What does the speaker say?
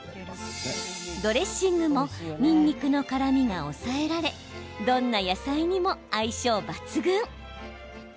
ドレッシングもにんにくの辛みが抑えられどんな野菜にも相性抜群。